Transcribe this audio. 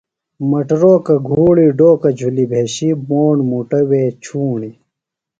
مٹروکہ گُھوڑی ڈوکہ جُھلیۡ بھیشیۡ موݨ مُٹہ وےۡ چھوݨی